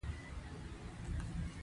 د کچالو کښت د بزګرانو لپاره اسانه دی.